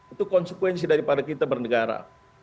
itu konsekuensi daripada kita bernegara